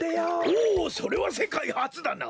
おおそれはせかいはつだな。